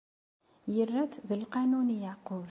Irra-t d lqanun i Yeɛqub.